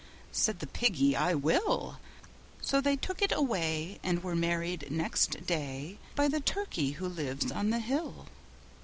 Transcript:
Said the Piggy, "I will." So they took it away, and were married next day By the Turkey who lives on the hill.